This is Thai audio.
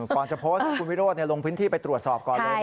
ก่อนจะโพสต์ให้คุณวิโรธลงพื้นที่ไปตรวจสอบก่อนเลย